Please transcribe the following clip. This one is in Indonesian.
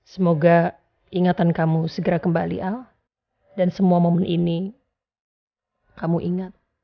semoga ingatan kamu segera kembali al dan semua momen ini kamu ingat